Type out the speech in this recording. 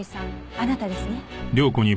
あなたですね。